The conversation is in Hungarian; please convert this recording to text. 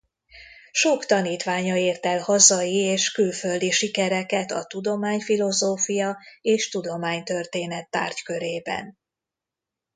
Sok tanítványa ért el hazai és külföldi sikereket a tudományfilozófia és tudománytörténet tárgykörében.